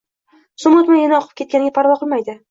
Zum o‘tmay yana oqib ketganiga parvo qilmaydi.